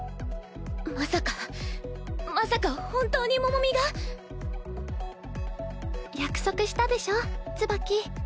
まさかまさか本当にモモミが⁉約束したでしょツバキ。